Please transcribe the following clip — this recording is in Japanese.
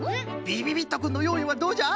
びびびっとくんのよういはどうじゃ？